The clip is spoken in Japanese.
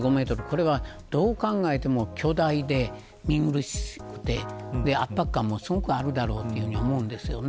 これはどう考えても巨大で見苦しくて圧迫感もあるだろうというふうに思うんですよね。